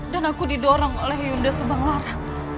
dan aku didorong oleh yunda subang lara